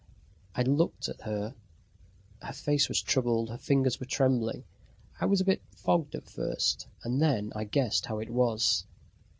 I looked at her her face was troubled, her fingers were trembling. I was a bit fogged at first and then I guessed how it was.